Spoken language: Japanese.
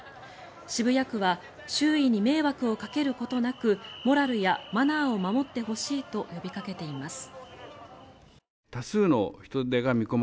渋谷区は周囲に迷惑をかけることなくモラルやマナーを守ってほしいと呼びかけています。